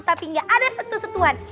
tapi gak ada setu setuan